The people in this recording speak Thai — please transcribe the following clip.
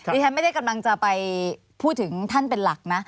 ดิฉันไม่ได้กำลังจะไปพูดถึงท่านเป็นหลักนะ